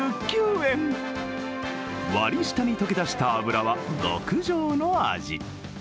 割り下に溶け出した脂は極上の味。